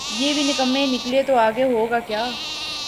یہ بھی نکمیّ نکلے تو آگے ہوگاکیا؟